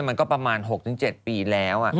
มันก็ประมาณ๖๗ปีแล้ว